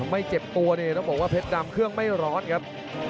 ไม่เจ็บตัวเนี่ยต้องบอกว่าเพชรดำเครื่องไม่ร้อนครับ